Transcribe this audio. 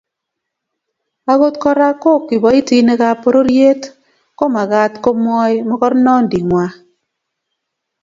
Agot Kora ko kiboitinikab pororiet komagat komwoi mogornonditngwai